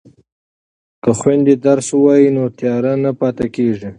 که خویندې درس ووایي نو تیاره نه پاتې کیږي.